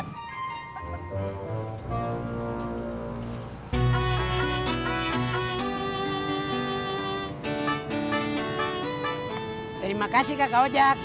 terima kasih kakak wak jack